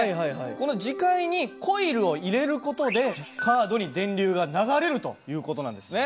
この磁界にコイルを入れることでカードに電流がながれるということなんですね。